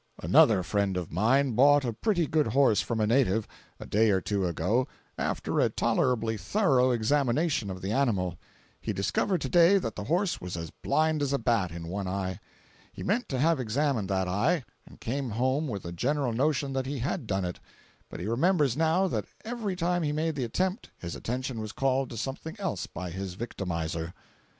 jpg (33K) Another friend of mine bought a pretty good horse from a native, a day or two ago, after a tolerably thorough examination of the animal. He discovered today that the horse was as blind as a bat, in one eye. He meant to have examined that eye, and came home with a general notion that he had done it; but he remembers now that every time he made the attempt his attention was called to something else by his victimizer.